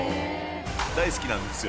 大好きなんですよ。